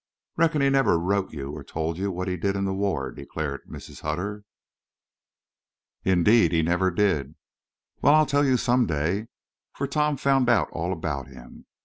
"Reckon he never wrote you or told you what he did in the war," declared Mrs. Hutter. "Indeed he never did!" "Well, I'll tell you some day. For Tom found out all about him.